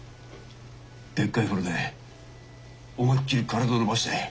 でっかい風呂で思いっきり体伸ばして。